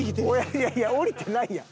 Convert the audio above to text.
いやいや降りてないやん。